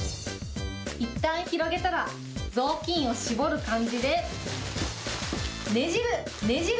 いったん広げたら、雑巾を絞る感じで、ねじる、ねじる。